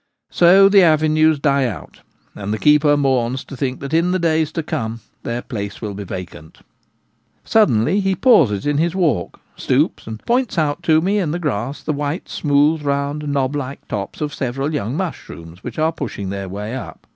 So the avenues die out, and the keeper mourns to think that in the days to come their place will be vacant. Suddenly he pauses in his walk, stoops, and points out to me in the grass the white, smooth, round knob like tops of several young mushrooms which are pushing their way up.